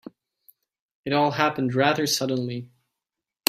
It all happened rather suddenly.